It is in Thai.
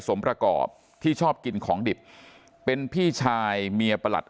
สมประกอบที่ชอบกินของดิบเป็นพี่ชายเมียประหลัด